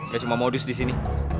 kayak cuma modus di sini